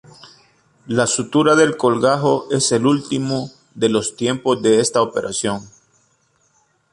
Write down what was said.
La sutura del colgajo es el último de los tiempos de esta operación.